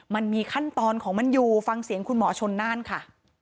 มันมีขั้นตอนของมันอยู่ฟังเสียงคุณหมอชนน่านค่ะ